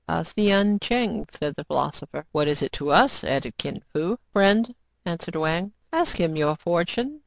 " A sien cheng," said the philosopher. " What is it to us }" added Kin Fo. "Friend," answered Wang, "ask him your for tune.